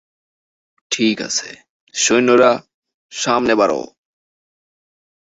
ঠিক আছে, সৈন্যরা, সামনে বাড়ো।